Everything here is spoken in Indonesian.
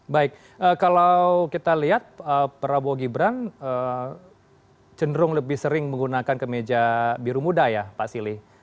baik kalau kita lihat prabowo gibran cenderung lebih sering menggunakan kemeja biru muda ya pak silih